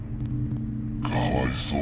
かわいそうだな。